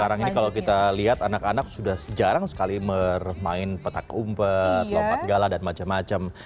sekarang ini kalau kita lihat anak anak sudah jarang sekali bermain petak umpet lompat gala dan macam macam